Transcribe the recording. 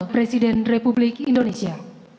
presiden republik indonesia